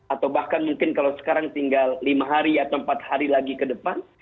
atau bahkan mungkin kalau sekarang tinggal lima hari atau empat hari lagi ke depan